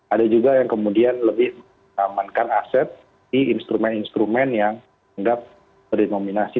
ada juga yang kemudian lebih menamankan aset di instrumen instrumen yang tidak berdominasi